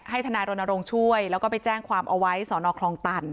ทนายรณรงค์ช่วยแล้วก็ไปแจ้งความเอาไว้สอนอคลองตัน